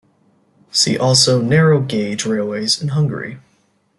See also Narrow gauge railways in Hungary.